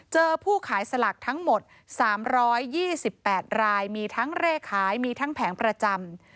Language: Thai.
ผู้ขายสลากทั้งหมด๓๒๘รายมีทั้งเลขขายมีทั้งแผงประจำ